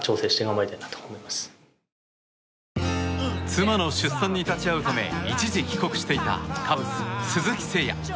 妻の出産に立ち会うため一時帰国していたカブス、鈴木誠也。